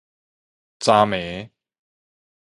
昨暝